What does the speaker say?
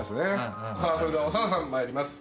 さあそれでは長田さん参ります。